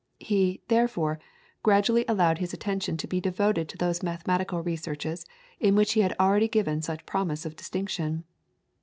He, therefore, gradually allowed his attention to be devoted to those mathematical researches in which he had already given such promise of distinction.